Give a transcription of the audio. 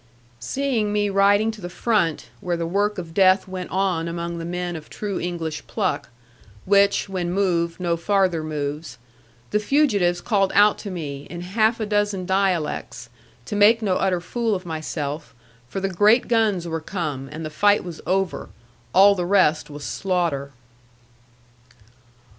Seeing me riding to the front (where the work of death went on among the men of true English pluck; which, when moved, no farther moves), the fugitives called out to me, in half a dozen dialects, to make no utter fool of myself; for the great guns were come, and the fight was over; all the rest was slaughter.